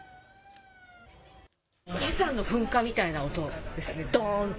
火山の噴火みたいな音ですね。